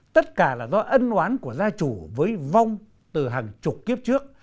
tất cả là do ân oán của gia chủ với vong từ hàng chục kiếp trước